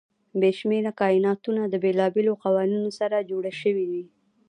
بې شمېره کایناتونه د بېلابېلو قوانینو سره جوړ شوي وي.